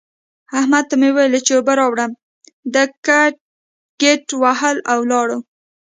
احمد ته مې وويل چې اوبه راوړه؛ ده ګيت وهل او ولاړ.